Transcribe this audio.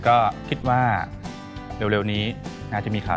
แม่บ้านประจันบัน